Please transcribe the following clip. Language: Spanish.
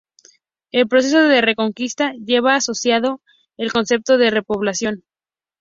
El proceso de reconquista lleva asociado el concepto de repoblación.